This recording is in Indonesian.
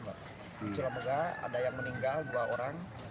di surabaya ada yang meninggal dua orang